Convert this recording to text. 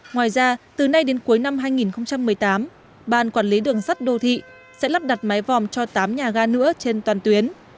ngoài ra từ nay đến cuối năm hai nghìn một mươi tám ban quản lý đường sắt đô thị sẽ lắp đặt mái vòm cho tám nhà ga nữa trên toàn tuyến